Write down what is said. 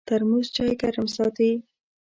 ترموز چای ګرم ساتي.